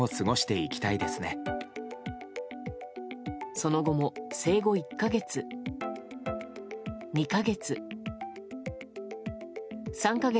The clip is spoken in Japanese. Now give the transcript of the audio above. その後も、生後１か月。